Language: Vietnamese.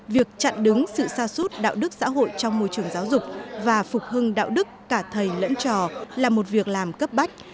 việc chặn đứng sự xa suốt đạo đức xã hội trong môi trường giáo dục và phục hưng đạo đức cả thầy lẫn trò là một việc làm cấp bách